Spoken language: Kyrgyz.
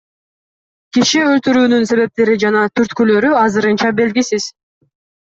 Киши өлтүрүүнүн себептери жана түрткүлөрү азырынча белгисиз.